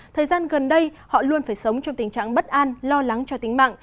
thời gian gần đây họ luôn phải sống trong tình trạng bất an lo lắng cho tính mạng